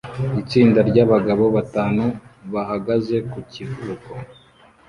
Itsinda ry'abagabo batanu bahagaze ku kivuko